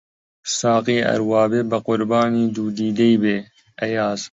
ساقی ئەر وا بێ بە قوربانی دوو دیدەی بێ، ئەیاز